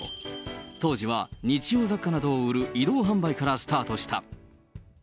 当時は日用雑貨などを売る移動販売からスタートした。